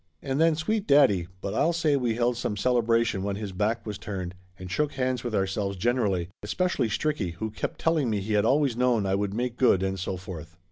And then, sweet daddy, but I'll say we held some celebration when his back was turned, and shook hands with ourselves generally, especially Stricky, who kept telling me he had always known I would make good and so forth.